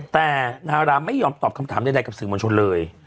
แต่ดาราไม่ยอมตอบคำถามใดกับสื่อมวลชนเลย